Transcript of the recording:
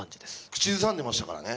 口ずさんでましたからね